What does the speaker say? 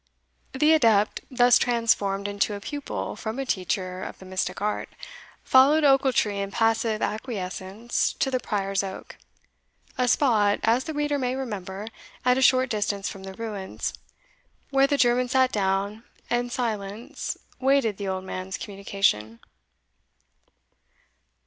The adept, thus transformed into a pupil from a teacher of the mystic art, followed Ochiltree in passive acquiescence to the Prior's Oak a spot, as the reader may remember, at a short distance from the ruins, where the German sat down, and silence waited the old man's communication.